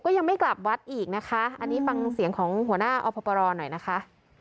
ยังไม่กลับวัดอีกนะคะอันนี้ฟังเสียงของหัวหน้าอพปรหน่อยนะคะ